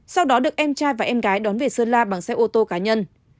sau đó được em trai và em gái đón về sơn la bằng xe ô tô cá nhân